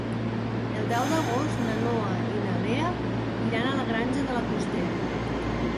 El deu d'agost na Noa i na Lea iran a la Granja de la Costera.